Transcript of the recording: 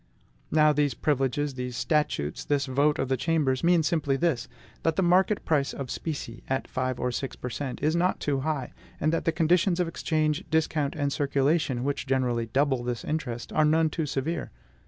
Now these privileges, these statutes, this vote of the Chambers, mean simply this, that the market price of specie, at five or six per cent., is not too high, and that the conditions of exchange, discount, and circulation, which generally double this interest, are none too severe.